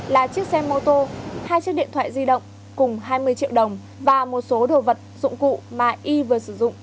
là chiếc xe mô tô hai chiếc điện thoại di động cùng hai mươi triệu đồng và một số đồ vật dụng cụ mà y vừa sử dụng